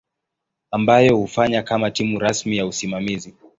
ambayo hufanya kama timu rasmi ya usimamizi.